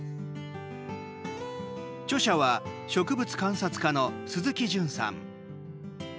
著者は、植物観察家の鈴木純さん。